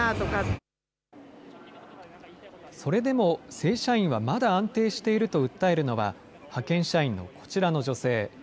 正社員はまだ安定していると訴えるのは、派遣社員のこちらの女性。